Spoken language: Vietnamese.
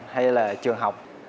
hay là trường học